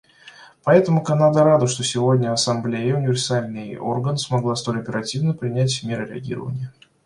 Поэтому Канада рада, что сегодня Ассамблея, универсальный орган, смогла столь оперативно принять меры реагирования.